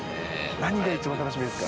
何が一番楽しみですか？